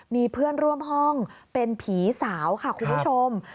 มีเพื่อนร่วมห้องเป็นผีสาวค่ะคุณผู้ชม